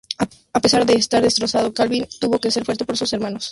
A pesar de estar destrozado, Calvin tuvo que ser fuerte por sus hermanos.